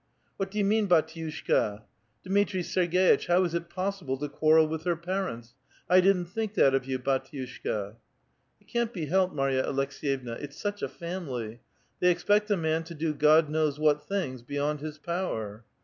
" What do you mean, hdtiuslikaf Dmitri Serg^itch, how is it possible to quarrel with her parents? I didn't think that of you, bdtiushJca !'' "It can't be helped, Marya Aleks6yevna; it's such a family. They expect a man to do God knows what things beyond his power."